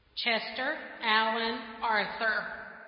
CHES TER AL AN AR THUR.